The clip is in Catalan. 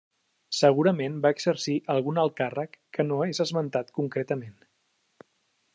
Segurament va exercir algun alt càrrec que no és esmentat concretament.